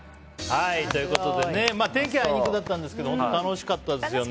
天気はあいにくだったんですけど本当に楽しかったですよね。